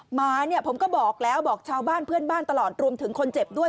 หมาเนี่ยผมก็บอกแล้วบอกชาวบ้านเพื่อนบ้านตลอดรวมถึงคนเจ็บด้วย